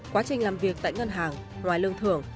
quá trình làm việc tại ngân hàng ngoài lương thưởng